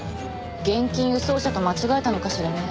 現金輸送車と間違えたのかしらね？